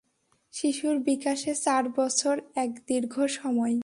শিশুর বিকাশে চার বছর এক দীর্ঘ সময়।